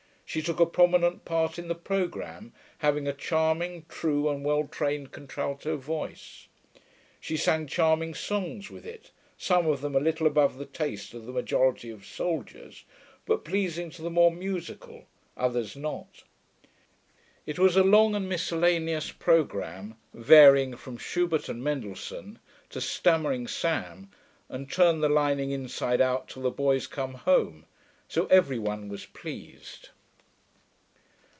She took a prominent part in the programme, having a charming, true and well trained contralto voice. She sang charming songs with it, some of them a little above the taste of the majority of soldiers, but pleasing to the more musical, others not. It was a long and miscellaneous programme, varying from Schubert and Mendelssohn to 'Stammering Sam' and 'Turn the lining inside out till the boys come home,' so every one was pleased.